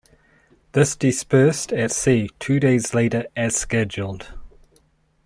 This dispersed at sea two days later as scheduled.